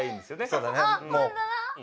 そうだね。